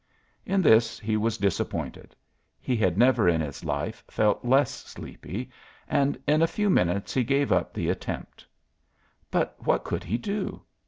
In this he was disappointed; he had never in his life felt less sleepy, and in a few minutes he gave up the attempt. But what could he do?